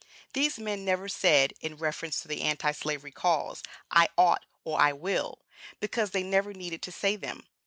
These men never said, in reference to the Anti slavery cause, I ought or I will, because they never needed to say them.